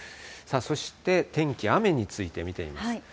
そして、天気、雨について見てみます。